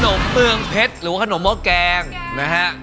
มเมืองเพชรหรือว่าขนมหม้อแกงนะฮะ